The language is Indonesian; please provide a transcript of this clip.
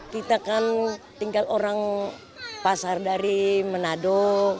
kita kan tinggal orang pasar dari manado